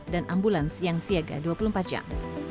dan ambulans yang siaga dua puluh empat jam